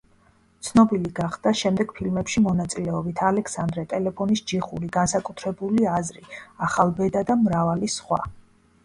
ცნობილი გახდა შემდეგ ფილმებში მონაწილეობით: „ალექსანდრე“, „ტელეფონის ჯიხური“, „განსაკუთრებული აზრი“, „ახალბედა“, და მრავალი სხვა.